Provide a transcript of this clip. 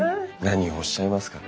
何をおっしゃいますか。